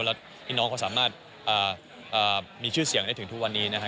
แล้วพี่น้องเขาสามารถมีชื่อเสียงได้ถึงทุกวันนี้นะครับ